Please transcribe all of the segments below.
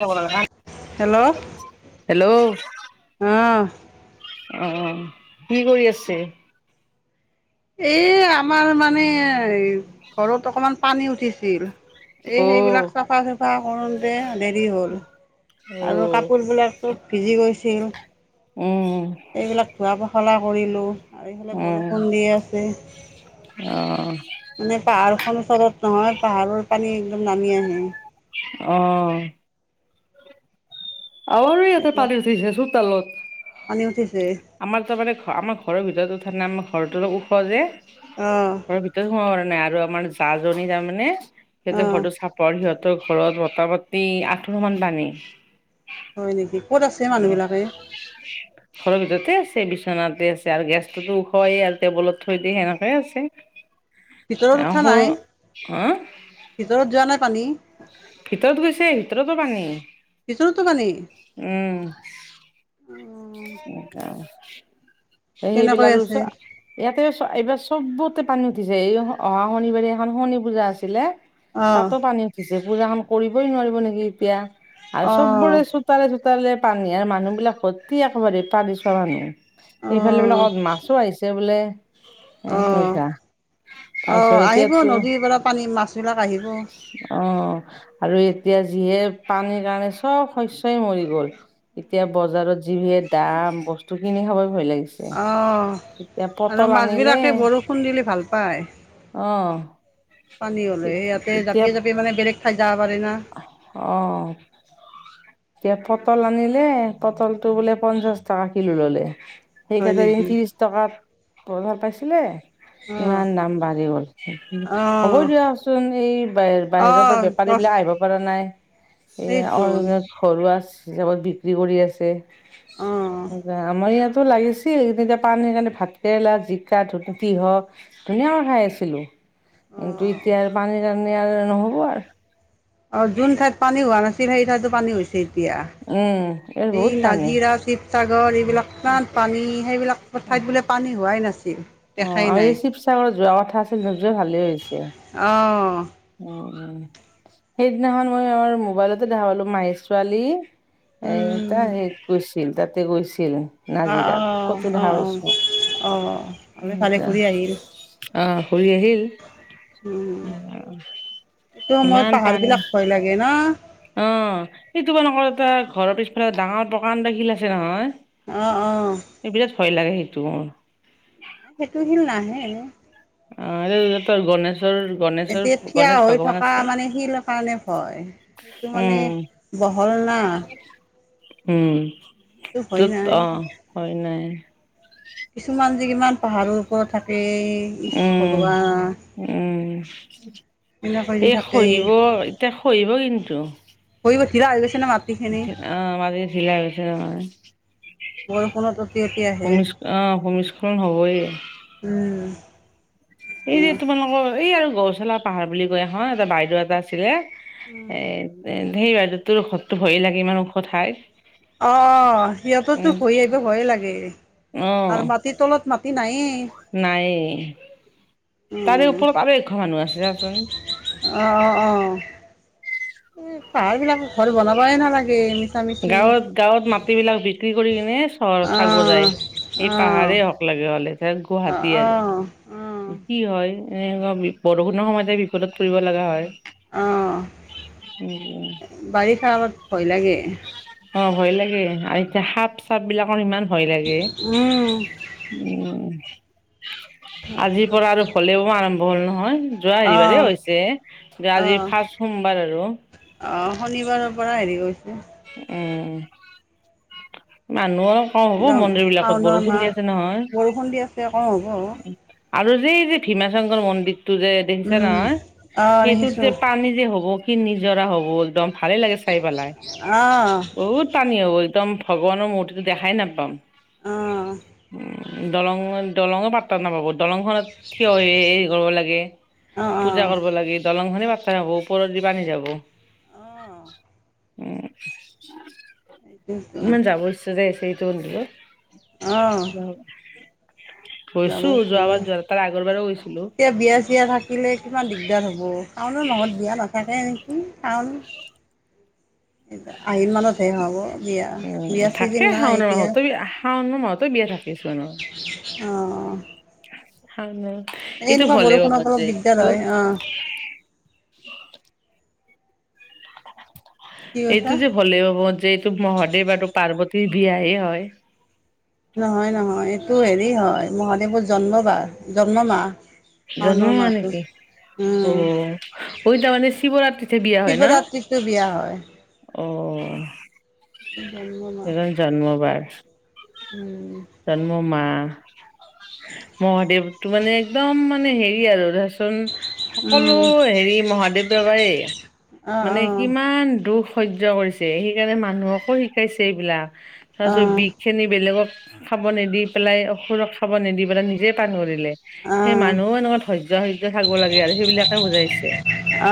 Hello hello! অ অঁ! [inaudible] অ! কি কৰি আছে? [inaudible] এই আমাৰ মানে ঘৰত অকমান পানী উঠিছিল। [inaudible] এই অ সেইবিলাক চাফা-চুফা কৰোঁতে দেৰি হ'ল অ আৰু কাপোৰবিলাক [inaudible] চব ভিজি গৈছিল। [inaudible] উম-উম। [unintelligible] এইবিলাক ধোৱা পখলা কৰিলোঁ আৰু এইফালে বৰষুণ দি আছে। [inaudible] অহ'। [unintelligible] মানে পাহাৰখন ওচৰত নহয়, পাহাৰৰ পানী একদম নামি আহে। [inaudible] অ! [unintelligible] আমাৰো ইয়াতে এইবিলাক পানী উঠিছে, চোতালত। [inaudible] পানী উঠিছে? [unintelligible] আমাৰ তাৰ মানে, আমাৰ ঘৰৰ ভিতৰতো উঠাৰ নাই। আমাৰ ঘৰটো অলপ ওখ যে। [unintelligible] অঁ! [unintelligible] ঘৰৰ ভিতৰত সোমাব পৰা নাই আৰু আমাৰ জাজনী তাৰমানে সিহঁতে অঁ ঘৰটো চা [unintelligible] চাপৰ সিহঁতৰ ঘৰত মুটা-মুতি এৱাঠুৰ মান পানী। [inaudible] হয় নেকি? ক'ত আছে মানুহ উম বিলাকে? [inaudible] [unintelligible] ঘৰৰ ভিতৰতে আছে বিচনাতে আছে আৰু গেছটোতো ওখয়ে আৰু টেবুলত থৈ দিয়ে সেনেকাইে ভিতৰত আছে এও উঠা নাই সৰু হা ভিতৰত যোৱা নাই পানী ভিতৰত গৈছে ভিতৰতো পানী ভিতৰটো পানী উম কেনেকৈ সেইবিলাকো লৈছ আছে ইয়াতে এ এইবাৰ চবতে পানী উঠিছে, এই নহয় অহা শনিবাৰে এখন শণী পূজা আছিলে অহ তাতো পানী উঠিছে পূজাখন কৰিবই নোৱাৰিব নেকি এতিয়া আৰু অহ চবৰে চব চোতালে চোতালে পানী আৰু মানুহ বিলাক ভৰ্তি একেবাৰে পানী চোৱা মানুহ এইফালে অহ বোলে ক'বাত মাছো আহিছে বোলে এ অ অ তাৰপিছত আহিব এতিয়াতো নদীৰ পৰা পানী মাছবিলাক আহিব অ' আৰু এতিয়া যিহে, পানীৰ কাৰণে চব শস্যই মৰি গ'ল এতিয়া বজাৰত যিহে দাম, বস্তু কিনি খাবই ভয় লাগিছে অ' এতিয়া আৰু পটল মাছ বিলাকে বৰষুণ দিলে ভাল পায় অহ' পানী হ'লে ইয়াতে জাপি জাপি মানে বেলেগ ঠাইত যাব পাৰে না অহ' এতিয়া পটল আনিলে, পটলটো বোলে পঞ্চাশ টকা কিলো ল'লে হয় সেইকেইটা দিন নেকি ত্ৰিশ টকাত বৰ ভাল পাইছিলে অহ ইমান দাম বাঢ়ি গ'ল বস্তুৰ হ'ব অহ দিয়াচোন এই বাহ বাহিৰৰ পৰা অহ বেপাৰী গছ দিব পৰা নাই সেইটো এই ঘৰুৱা হিচাপত বিক্ৰী কৰি আছে অহ অ আমাৰ ইয়াত টো লাগিছিল তেতিয়া পানী টানি ভাতকেৰেলা জিকা ধুতূতি হওক ধুনীয়াকৈ খাই আছিলো কিন্তু অহ এতিয়া পানী চানি আৰু নহ'ব আৰু অ' যোন ঠাইত পানী হোৱা নাছিল সেই ঠাইতো পানী হৈছে ছে এতিয়া উম ইয়াত এই বহুত পানী নাজিৰা শি শিৱসাগৰ এইবিলাক ইমান পানী, সেইবিলাক ঠাইত বোলে পানী হোৱাই নাছিল অ' দেখাই আমি নাই এই শিৱসাগৰ যোৱা কথা আছিল, নোযোৱা ভালেই হৈছে অঁ অহ', অহ' সেইদিনাখন মই আমাৰ মোবাইলতে দেখা পালো, মাহীৰ ছোৱালী এ উম তাই হেত গৈছিল তাতে গৈছিল নাজিৰাত ফটো দেখা পাইছো অহ ইনকা অহ ঘূৰি আহিল উম এইটো সময়ত ইমান পানী পাহাৰবিলাক ভয় লাগে ন অ' এই তোমালোকৰ এটা ঘৰৰ পিছফালে ডাঙৰ প্ৰকাণ্ড শিল আছে নহয় অ অ এ বিৰাত ভয় লাগে সেইটো সেইটো শিল নাহে অ এইটোৰ গণেশৰ গণেশৰ এতিয়া থিয়া গণেশ হৈ ভগৱান থকা আছে মানে শিল কাৰণে ভয় সেইটো মানে উম বহল না উম সেইটো ভয় তত নাই অ হয় নাই কিছুমান যে কিমান পাহাৰৰ ওপৰত থাকে। ইচ উম ভগৱান উম। কিনো কৰি এই থাকে খৈব, এতিয়া খৈব কিন্তু। খহিব শিৰা হৈ গৈছে নহয়, মাটি খিনি। অ' মাজে ফিলাই হৈছে মানে। বৰষুণত অতি অতি আহে ভূমিছ অ' ভূমিস্খলন হ'বই। উম। এই যে তোমালোকৰ এই আৰু গৰুচালা পাহাৰ বুলি কয় এখন এটা বাইদেউ এটা আছিলে। এ ধেৰ বাইদে তোৰ ঔষধতো ভয় লাগে ইমান ওখ ঠাইত। অ সিহঁততো উম হৈ আহিবি ভয়ে লাগে আৰু মাটি তলত ম। সি নাইয়ে। নাইয়ে তাৰে উম ওপৰত আৰু এশ মানুহ আছে যাচোন। অ অ অ এই পাহাৰ বিলাক। ঘৰ বনাবই নালাগে মিছা মিছি গাঁৱত গাঁৱত মাট বিলাক বিক্ৰী কৰি কিনে। চহৰত থাকব আহ যায় সি আহ পাহাৰেই হওঁক লাগে হ'লে অ গুৱাহাটী অ আৰু। অ কি হয় এ এনেকুৱা বৰষুণৰ সময়তে বিপদত পৰিব লগা হয়। উম উম। বাৰিষত আগত ভয় লাগে। অ ভয় লাগে আৰু এতিয়া সাপ চাপ বিলাকৰ ইমান ভয় লাগে। উম আজিৰ পৰা আৰু হ'লেও আৰম্ভ হ'ল নহয়। যোৱা অ হাৰিবাৰেই হৈছে আজি ফাৰ্ষ্ট সোমবাৰ আৰু। অঁ শনিবাৰৰ পৰা হেৰি কৰিছে। উম। মানুহো কম হ'ব একদম মন্দিৰ বিলাকত বৰষণ আছে নহয়। খুন্দি আছে কওঁ হ'ব। আৰু যি যি ভীমা শংকৰ মন্দিৰটো যে। দেখিছা উম নহয় অঁ সেইটোত দেখিছোঁ যে পানী যে হ'ব কি নিজৰা হ'ব একদম। ভালেই লাগে চাই পেলাই অঁ বহুত। পানী হ'ব একদম ভগৱানৰ মূৰ্তিটো দেখাই নাপাম অঁ উ। দলং দলঙে পাতাত নাপাব দলংখনত থিয় হেৰি কৰিব লাগে। অঁ অঁ পূজা কৰিব লাগি দলং খনেি পাতাই হাব পওপৰৰত দি বান্ধি যাব। অঁ সেইটোতো ইমান জাবৰ-জোথৰ যে এইখনিটো। অ। গৈছো ইচ্ছা যোৱাবাৰ যায় যোৱা তাৰ আগৰ বাৰ গৈছিলো। এতিয়া বিয়া চিয়া থাকিলে কিমান দিগদাৰ হ'ব কাৰণো নহত বিয়া নাথাকে নেকি কাৰণ। মানতহে হ'ব বিয়া উম বিয়া ছিজন থাকে নাই শাওনাৰ এতিয়া মাহতো বি শাওনা মাহতো বিয়া থাকে। কিছু না। অ। হ নাই এইটো ভাল ব বৰষুণত মন অলপ যে ত। দিগদাৰ হয় অঁ কি এইটো কৈছা যে ভলে হ'ব যে এইটো মহদ বাটো পাৰ্বতীৰ বিয়াহে হয়। নহয় নহয় এইটো হেৰি হয় মহাদেৱৰ জন্মবাৰ জন্ম মাহ। শাওনৰ জন্মো হোৱা মাহটো নেকি। অ উম ঐ তাৰ মানে শিৱৰাত্ৰিতে বিয়া হয় ন। সটো বিয়া হয়। অ। ধন্যবাদ এজন জন্মবাৰ উম জন্ম মা মহাদেৱটো মানে একদম মানে হেৰি আৰু ধৰাচোন সকলো উম হেৰি মহাদেৱ বাবাই অ মানে অ কিমান দুখ শৈৰ্য কৰিছে সেইকাৰণে মানুহকো শিকাইছে এইবিলাক অ তাৰপিছত বি খিনি বেলেগক খাব নিদি পেলাই অসুৰক খাব নিদি পেলাই নিজে পাণ কৰিলে অ সেই মান মানুহ এনেকুৱা ধৈৰ্য সহ্য থাকিব লাগে আৰু সেইবিলাকে বুজাইছে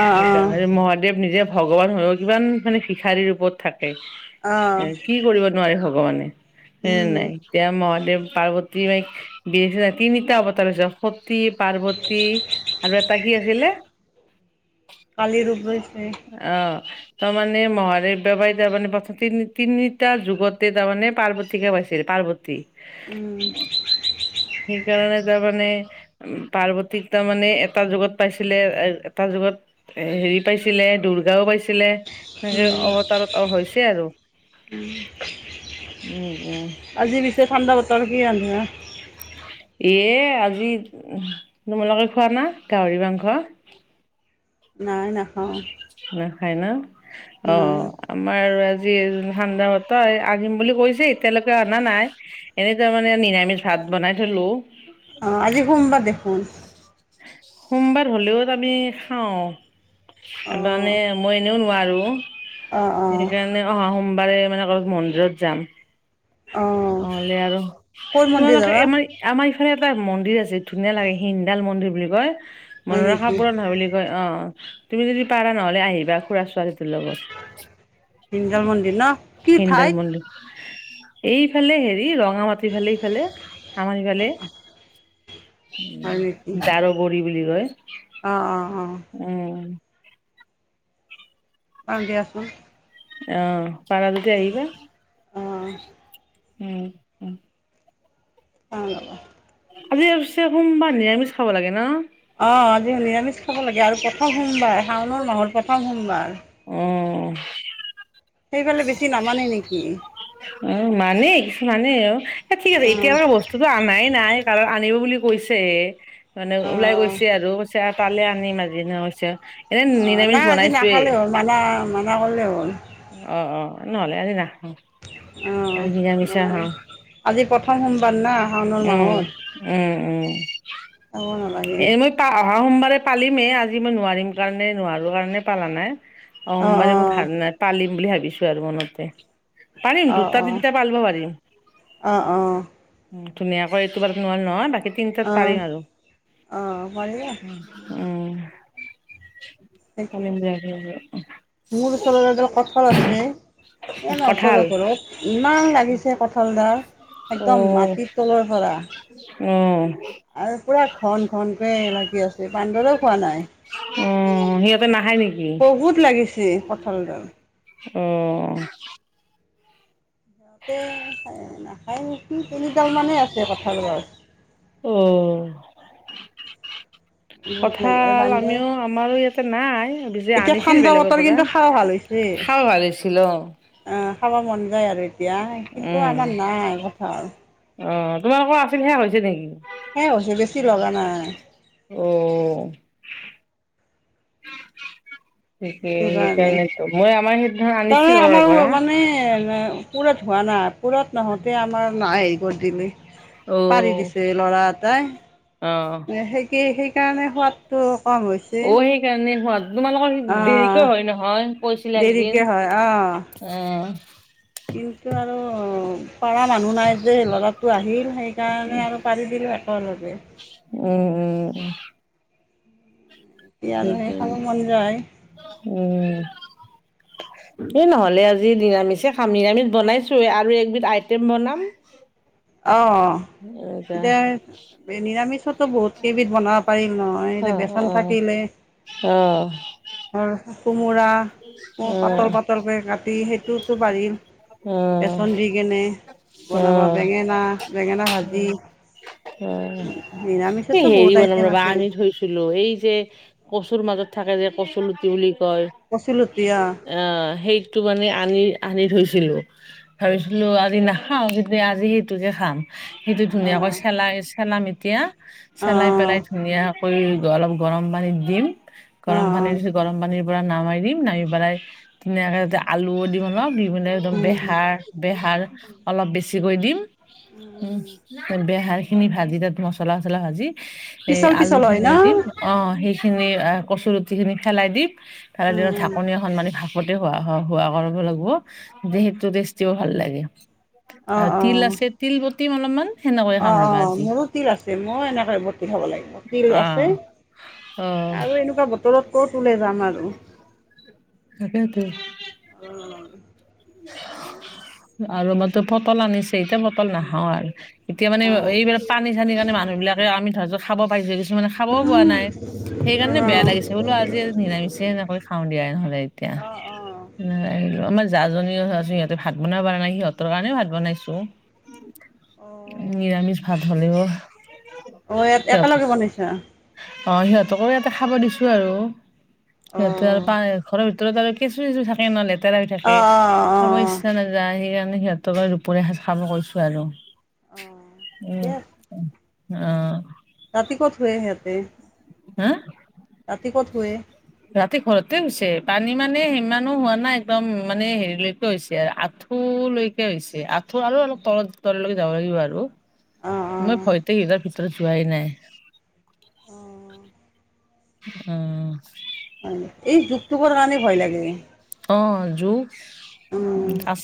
অ স অ মহাদেৱ নিজে ভগৱান হয়ও কিমান মানে শিশাৰী ৰূপত থাকে অ কি কৰিব নোৱাৰাৰে ভগৱানে সে উম নাই এতিয়া মহাদেৱ পাৰ্বতী ব দিছে তিনিটা অৱতাৰ হৈছে তী পাৰ্বতী আৰু এটা কি আছিলে কালি ৰূপ লৈছে অ তাৰমানে মহাদেৱ ববাৰ তাৰমানে বা তিনিটা যুগতে তাৰমানে পাৰ্বতিকা পাইছে তী পাৰ্বতী উম সেইকাৰণে তাৰ মানে উ পাৰ্বতীক তাৰ মানে এটা যুগত পাইছিলে এটা যুগত হেৰি পাইছিল ছিলে দুৰ্গাও পাইছিলে সনেকে অৱতাৰত অ হৈছে আৰু উম উম আজি পিছে ঠাণ্ডা বতৰ কি আঞ্জা এ আজি তোমোলাকে খোৱা না গাহৰি মাংস নাই নাখাওঁ নাখাই ন অ নাই আমাৰ আজি ঠাণ্ডা বতৰ আনিম বুলি কৈছে এতিয়ালৈকে অনা নাই এনে তৰমানে নিৰামিষ ভাত বনাই থ লো অ আজি সোমবাৰ দেখোন সোমবাৰ হলেও আমি খাওঁ অ মানে মই এনেও আৰু অ অ সেইকাৰণে অহা সোমবাৰে মানে ক মন্দিৰত যাম অ নহলে আৰু ক'ৰ মন্দিৰ তোমালোকে যাবা এমাৰ আমাৰ ইফালে এটা মন্দিৰ আছে ধুনীয়া লাগে হিনডাল মন্দিৰ বুলি কয় হয় মনৰ আশা নেকি পূৰণ হয় বুলি কয় অ তুমি যদি পাৰা নহলে আহিবা খুৰা ছোৱালীটোৰ লগত হিঞ্জল মন্দিৰ ন কি হিন্দাল ঠাইত মডিৰ এইফালে হেৰি ৰং মঙ মাটি ফালে ইফালে আমাৰ ইফালে হয় নেকি দাৰো কৰি বুলি কয় অ অ অ উম পাম দিয়া চোন অহ পাৰা যদি আহিবা অঁ উম অ আজি পিছে সোমবাৰ নিৰামিষ খাব লাগে ন অঁ আজি নিৰামিষ খাব লাগে আৰু প্ৰথম সোমবাৰ শাওণ মাহৰ প্ৰথম সোমবাৰ উম সেইফালে বেছি নামানে নেকি অ মানেই কিছু মানে আৰু এ ঠিক আছে এতিয়া অঁ বাৰু ব স্তুটো আনাই নাই কাৰণ আনিব বুলি কৈছে মানে অঁ ওলাই গৈছে অঁ আৰু কৈছে পালে আনিম আজি এনে কৈছে এনে নিৰামিষ নাই আজি বনাইছোৱেই নাখালে হ'ল মানা মানা কৰিলেই হ'ল অ অ নহ'লে আজি নাখাও অ মানে আজি প্ৰথম সোমবাৰ না শাওনৰ উম মাহত উম উম খাব নালাগে এ মই পা অহা সোমবাৰে পালিমে এই আজি মই নোৱাৰিম কাৰণে নোৱাৰো কাৰণে পালা নাই। অ সোমবাৰে মই অঁ ভাল নাই পালিম বুলি ভাবিছো আৰু মনতে পাৰিম অঁ দুটা অঁ তিনিটা পালিব পাৰিম। অঁ অঁ অঁ ধুনীয়াকৈ এইটো বাৰু নোৱাৰা নহয় বাকী তিনিটাত পাৰিম আৰু অ হ'ল নে উম ঠিকে পালিম আছে দিয়া মোৰ ওচৰত এডাল কঠাল আছে এই আমাৰ ওচৰৰ কঠাল ঘৰত ইমান লাগিছে কঁঠাল ডাল একদম মাটিৰ তলৰ পৰা উম আৰু পুৰা ঘন ঘনকে লাগি আছে বান্দৰেও খোৱা নাই অ সিহঁতে নাখায় নেকি বহুত লাগিছে। কঁঠালডাল অহ সিহঁতে খা নাখায় নেকি তিনিডাল মানে আছে কঁঠাল গছ অ বহুত লাগে কঁঠাল বান্দৰ আমিও আমাৰো ইয়াতে নাই যদিও এতিয়া আনিছিল ঠাণ্ডা বেলেগৰ বতৰ পৰা কিন্তু খাব খাও ভাৱিছিলো। অহ খাব মন যায় আৰু এতিয়া কিন্তু উম আমাৰ নাই কথা আৰু অ, তোমালোকৰ আছিল সেয়া হৈছে নেকি। সেয়াই হৈছে বেছি লগা নাই অ ঠিকে সেইটো কাৰণে সেইকাৰণেতো মই আমাৰ সেইদিনাখন তাৰমানে আনিছিলো ঘৰৰ আমাৰ পৰা মানে এ পুৰঠ হোৱা নাই পুৰঠ নহওতে আমাৰ মায়ে হেৰি কৰি দিলে পাৰি অ'। দিছে। ল'ৰা এটাই অ সেইকে সেইকাৰণে সোৱাদটো কম হৈছে। অ', সেইকাৰণে হোৱা তোমালোকৰ অ' দেৰিকৈ হয় নহয় কৈছিলে দেৰিকে একদিন হয় অ' অ কিন্তু আৰু পৰা মানুহ নাই যে ল'ৰাটো আহিল সেইকাৰণে আৰু পাৰি দিলো এক লগে উম উম উম এতিয়া আৰু সেই ঠিকে খাব মন যায় উম এই নহলে আজি নিৰামিষে খাম নিৰামিষ বনাইছো আৰু একবিধ আইটেম বনাম [unintelligible] অ এনেকা এতিয়া নিৰামিষতো বহুত কেইবিধ বনাব পাৰি ন অ এতিয়া বেচন থাকিলে। অ', অ', তাৰ কোমোৰা অ পাতল অ', পাতল কে কাট টি সেইটোতো পাৰি বেচন দি কেনে বনাব অ'। বেঙেনা বেঙেনা ভাজি অ', এই নিৰামিষতো বহুত হেৰি বনাম আইটেম ৰবা আছে আনি থৈছো ছিলো এই যে কচুৰ মাজত থাকে যে কচু লুটি বুলি কয়। কচু লুতি আহ আহ সেই টো মানে আনি আনি থৈছিলো ভাবিছিলো আজি নাখাওঁ কিন্তু আজি সেইটোকে খাম। সেইটো ধুনীয়াকৈ চেলাই চেলাম এতিয়া অ চেলাই পেলাই অ ধুনীয়া অলপ গৰম পানীত দিম অ গৰম পানী দি গৰম পানী নামাই দিম নামি পেলাই ধুনীয়াকে আলুও দিম। অহ দিপিনে একদম উম বেহাৰ বেহাৰ অলপ বেছিকৈ দিম। উম উম বেহাৰ খিনি ভাজি তাত মচলা চচলা ভাজি। এই পিছল আলু পিছল হয় ন খিনিও দিম। অঁ সেইখিনি কচু লুটিখিনি ফেলাই দিম ফেলাই দি উম ঢাকনি মানে ভা পতে হোৱা কৰিব লাগিব সেইটো টেষ্টিও ভাল লাগে। অ আৰু তিল আছে তিল বতিম অলপমান। সেনেকৈয়ে খাম অঁ', ৰ'বা অঁ', আজি মোৰো তিল আছে। ময়ো এনেকে বতিল খাব লাগে। অ তিল আছে অ আৰু এনেকুৱা বতৰত ক'ত ওলাই যাম আৰু তাকে টো। আৰু আমাৰ তো পটল আনিছে এতিয়া পটল নাখাওঁ আৰু এতিয়া মানে অ এইবিলাক পানী চানি কাৰণে মানুহবিলাকে আমি ধজ্য খাব পাইছো কিছুমানে খাবও পোৱা নাই। সেইকাৰণে বেয়া উম লাগিছে বোলো আজি নিৰামিষে এনেকৈ খাওঁ দিয়াই নহ'লে এতিয়া। অ অ আমাৰ জাজনীও আছো ইিহঁতে ভাত বনাব পৰা নাই সিহঁতৰ কাৰণে ভাত বনাইছো অ', নিৰামিষ ভাত। অ', ইয়াত একেলগে [unintelligible] বনাইছা অ সিহঁতকো ইয়াতে খাব দিছো আৰু সিহঁতে আৰু অ', পা ঘৰত। তলে তলে কেঁচু চেঁচু থাকে ন লেতেৰা হৈ অ', থাকে অ', অ', সমস্যা। আৰু নাযায় সেইকাৰণে সিহঁতক দুপৰীয়া সাজ খাব অ', কৈছো ঠিকে আছে আৰু উম। উম অঁ' ৰাতি ক'ত শুৱে সিহঁতে? হাঁ ৰাতি ক'ত শুৱে? ৰাতি ঘৰতে হৈছে পানী মানে সিমানো হোৱা নাই একদম মানে হেৰিলৈকে হৈছে আঠ আঁঠলৈকে হৈছে আঁঠুৰ আৰু অলপ তল তললৈকে যাব লাগিব আৰু। অ', মই অ', ভয়তে সিহঁতৰ ভিতৰত যোৱাই নাই। অঁ' উম। হয় এই জোক তকৰ কাৰণে ভয় লাগে। অঁ' জোক উম আছ